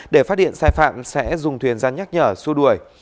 để phát hiện sai phạm sẽ dùng thuyền ra nhắc nhở xua đuổi